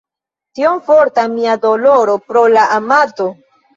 Tiom forta mia doloro pro la amato!